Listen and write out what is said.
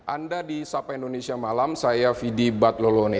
anda di sapa indonesia malam saya fidi batlolone